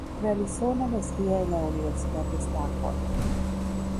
Realizó una maestría en la Universidad de Stanford.